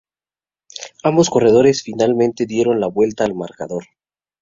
Ambos corredores finalmente dieron la vuelta al marcador.